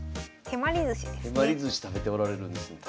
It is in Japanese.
手まりずし食べておられるんですね。